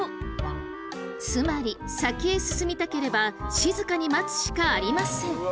つまり先へ進みたければ静かに待つしかありません。